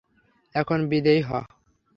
এখন বিদেয় হ।